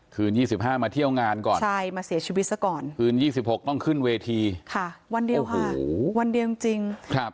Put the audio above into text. คืน๒๕มาเที่ยวงานก่อนคืน๒๖ต้องขึ้นเวทีค่ะวันเดียวค่ะวันเดียวจริง